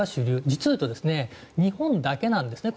実をいうと日本だけなんですね。